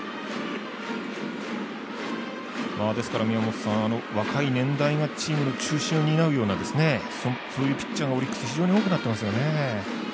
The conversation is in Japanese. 宮本さん、若い年代がチームの中心を担うようなそういうピッチャーがオリックス非常に多くなってますよね。